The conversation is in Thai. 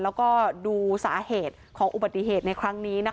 แล้วก็ดูสาเหตุของอุบัติเหตุในครั้งนี้